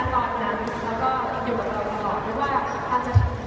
ก่อนที่มันจะขึ้นไปดีกว่าหรือตัวจะเข้าสภาพ